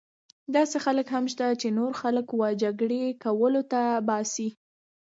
داسې خلک هم شته چې نور خلک وه جګړې کولو ته اړ باسي.